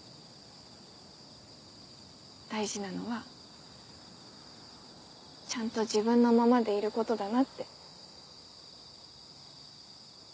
大事なのはちゃんと自分のままでいることだなって。